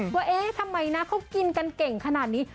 ว่าเอ๊ะทำไมนะเขากินกันเก่งขนาดนี้